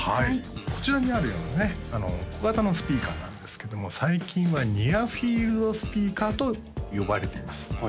こちらにあるようなね小型のスピーカーなんですけども最近はニアフィールドスピーカーと呼ばれています